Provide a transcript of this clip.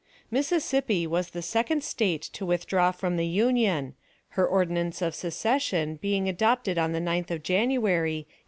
Mississippi was the second State to withdraw from the Union, her ordinance of secession being adopted on the 9th of January, 1861.